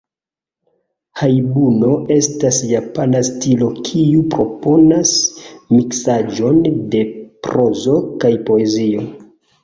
Hajbuno estas japana stilo kiu proponas miksaĵon de prozo kaj poezio.